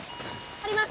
貼ります